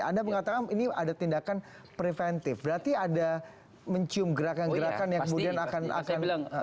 anda mengatakan ini ada tindakan preventif berarti ada mencium gerakan gerakan yang kemudian akan pasti pasti saya bilang